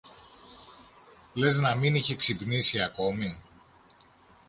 Λες να μην είχε ξυπνήσει ακόμη